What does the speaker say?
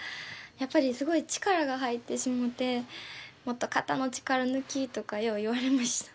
やっぱりすごい力が入ってしもて「もっと肩の力抜き」とかよう言われました。